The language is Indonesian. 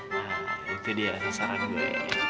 nah itu dia sasaran gue